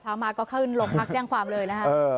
เช้ามาก็ขึ้นหลบหลักแจ้งความเลยนะฮะ